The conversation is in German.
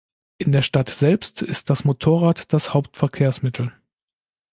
In der Stadt selbst ist das Motorrad das Hauptverkehrsmittel.